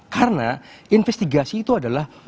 karena investigasi itu adalah